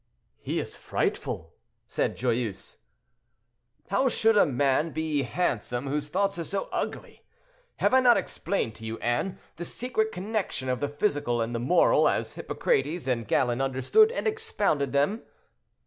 "He is frightful," said Joyeuse. "How should a man be handsome whose thoughts are so ugly? Have I not explained to you, Anne, the secret connection of the physical and the moral, as Hippocrates and Galen understood and expounded them?"